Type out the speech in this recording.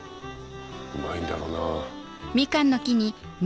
うまいんだろうなぁ。